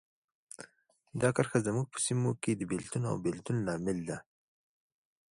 دا کرښه زموږ په سیمو کې د بېلتون او بیلتون لامل ده.